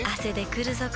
くるぞ？